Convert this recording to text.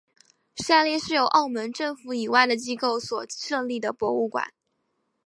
下列是由澳门政府以外的机构所设立的博物馆。